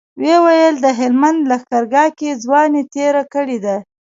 ويې ويل د هلمند لښکرګاه کې ځواني تېره کړې ده.